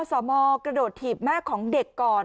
สมกระโดดถีบแม่ของเด็กก่อน